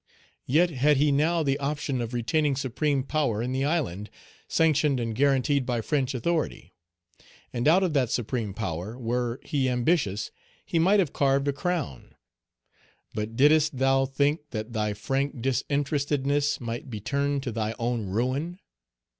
Yet had he now the option of retaining supreme power in the island, sanctioned and guaranteed by French authority. And out of that supreme power, were he ambitious, he might have carved a crown. But didst thou think that thy frank disinterestedness might be turned to thy own ruin?